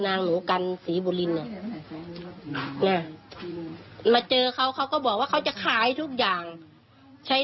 และไหลบุญฐานก็ประจำได้